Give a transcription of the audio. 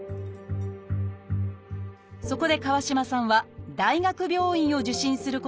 そこで川島さんは大学病院を受診することにしました。